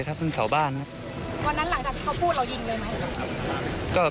วันนั้นเตรียมกันหรือ